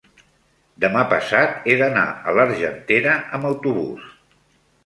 demà passat he d'anar a l'Argentera amb autobús.